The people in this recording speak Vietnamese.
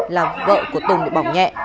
là vợ của tùng bị bỏng nhẹ